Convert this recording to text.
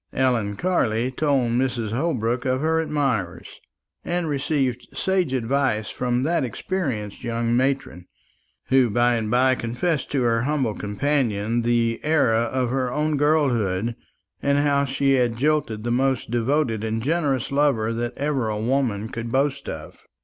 Ellen Carley told Mrs. Holbrook of her admirers, and received sage advice from that experienced young matron, who by and by confessed to her humble companion the error of her own girlhood, and how she had jilted the most devoted and generous lover that ever a woman could boast of.